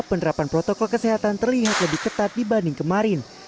penerapan protokol kesehatan terlihat lebih ketat dibanding kemarin